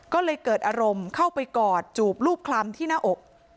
ก็เลยเกิดอารมณ์เข้าไปกอดจูบรูปคลำที่หน้าอก